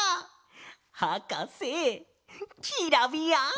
はかせキラビヤン！